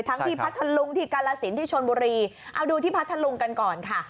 ที่พัทธลุงที่กาลสินที่ชนบุรีเอาดูที่พัทธลุงกันก่อนค่ะ